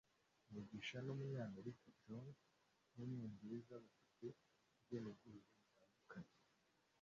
Mugisha numunyamerika, John numwongereza - bafite ubwenegihugu butandukanye